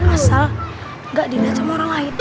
asal gak dinerja sama orang lain